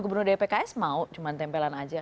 gubernur dari pks mau cuma tempelan aja